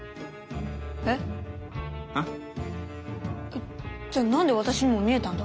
えっ？えっ？えっじゃあ何で私にも見えたんだ？